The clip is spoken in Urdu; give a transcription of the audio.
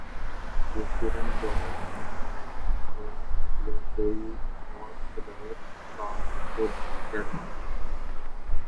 یہ کرن جوہر ہیں یا کوئی اور ہدایت کار خود حیران